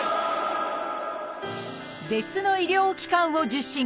別の医療機関を受診。